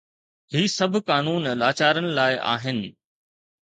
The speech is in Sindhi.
هي سڀ قانون لاچارن لاءِ آهن.